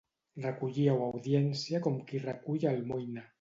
Recollíeu audiència com qui recull almoina.